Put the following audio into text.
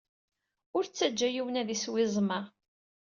Ur ttaǧǧa yiwen ad isew iẓem-a.